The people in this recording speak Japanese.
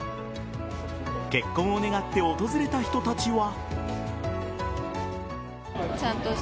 結婚を願って訪れた人たちは。